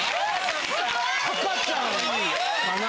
赤ちゃんかな。